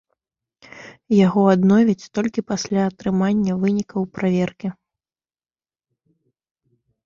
Яго адновяць толькі пасля атрымання вынікаў праверкі.